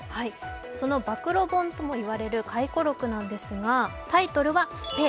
その暴露本とも言われる回顧録なんですが、タイトルは「スペア」。